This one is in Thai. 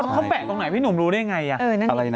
เขาแปลงตรงไหนพี่หนุมรู้ได้อย่างไร